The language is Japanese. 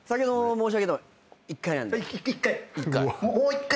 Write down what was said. １回？